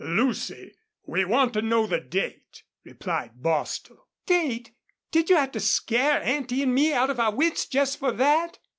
"Lucy, we want to know the date," replied Bostil. "Date! Did you have to scare Auntie and me out of our wits just for that?"